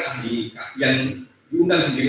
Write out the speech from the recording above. ahli yang diundang sendiri